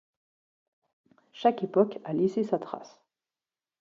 Chaque époque a laissé sa trace.